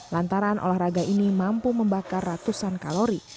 lantaran olahraga ini mampu membakar ratusan kalori